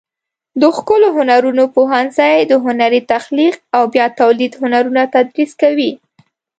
د ښکلو هنرونو پوهنځی د هنري تخلیق او بیا تولید هنرونه تدریس کوي.